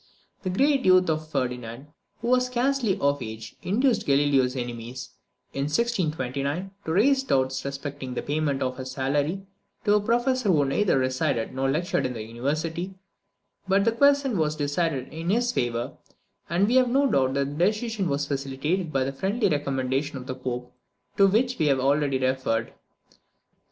The great youth of Ferdinand, who was scarcely of age, induced Galileo's enemies, in 1629, to raise doubts respecting the payment of a salary to a professor who neither resided nor lectured in the university; but the question was decided in his favour, and we have no doubt that the decision was facilitated by the friendly recommendation of the Pope, to which we have already referred.